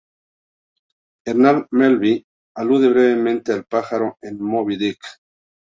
Herman Melville alude brevemente al pájaro en "Moby-Dick".